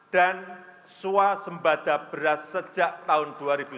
dan suwa sembada beras sejak tahun dua ribu sembilan belas